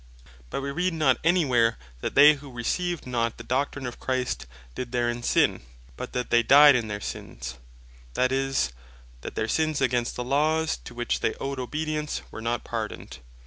But we read not any where, that they who received not the Doctrine of Christ, did therein sin; but that they died in their sins; that is, that their sins against the Laws to which they owed obedience, were not pardoned.